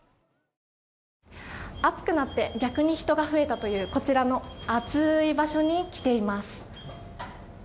暑くなって逆に人が増えたというこちらの暑い場所に来ています。